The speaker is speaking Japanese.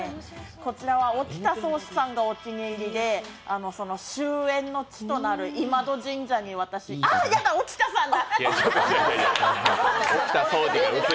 こちらは沖田総司さんがお気に入りで、終えんの地となる今戸神社に私、あっ、いやだ、沖田さんだ！